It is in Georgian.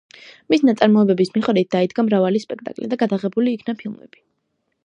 მის ნაწარმოებების მიხედვით დაიდგა მრავალი სპექტაკლი და გადაღებულ იქნა ფილმები.